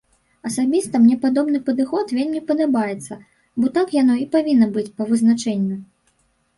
Асабіста мне падобны падыход вельмі падабаецца, бо так яно і павінна быць па вызначэнню.